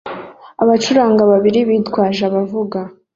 Abacuranzi babiri bitwaje abavuga